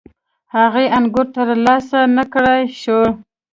هغې انګور ترلاسه نه کړای شول.